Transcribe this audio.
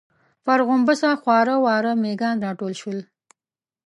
پر غومبسه خواره واره مېږيان راټول شول.